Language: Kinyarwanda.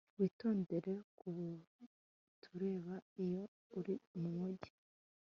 Witondere kutureba iyo uri mumujyi